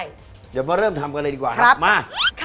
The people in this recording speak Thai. เดี๋ยวมาเริ่มทำกันเลยดีกว่าครับมา